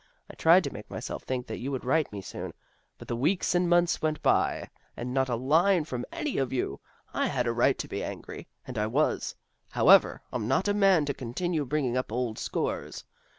I tried to make myself think that you would write me soon, but the weeks and months went by, and not a line from any of you. I had a right to be angry, and I was. However, I'm not a man to continue bringing up old scores.